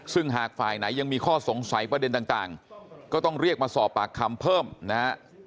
ซึ่งหากฝ่ายไหนยังมีข้อสงสัยประเด็นต่างก็ต้องเรียกมาสอบปากคำเพิ่มนะฮะ